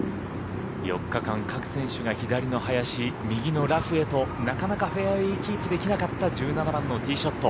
４日間各選手が左の林、左のラフへとなかなかフェアウエーキープできなかった１７番のティーショット。